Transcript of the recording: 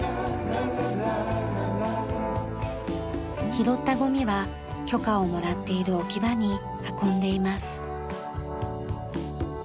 拾ったゴミは許可をもらっている置き場に運んでいます。